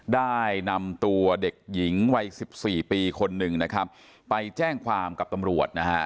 ได้นำตัวเด็กหญิงวัยสิบสี่ปีคนหนึ่งนะครับไปแจ้งความกับตำรวจนะฮะ